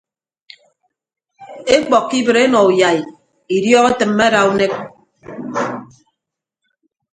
Ekpọkkọ ibịt enọ uyai idiọk etịmme ada unek.